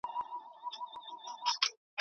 استازي څنګه اصول مراعاتوي؟